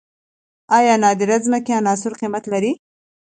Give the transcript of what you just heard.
آیا نادره ځمکنۍ عناصر قیمت لري؟